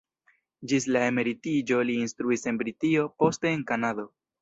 Ĝis la emeritiĝo li instruis en Britio, poste en Kanado.